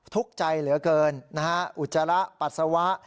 ทุกข์ใจเหลือเกินนะฮะอุจจาระปัสสาวะ